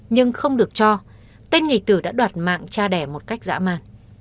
nhưng không được cho tên nghị tử đã đoạt mạng cha đẻ một cách dã man